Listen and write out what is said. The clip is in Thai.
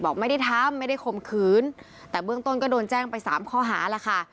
บอกไม่ได้ทำไม่ได้ข่มขืนแต่เบื้องต้นก็โดนแจ้งไปสามข้อหาแล้วค่ะ